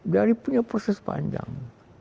jadi proses panjang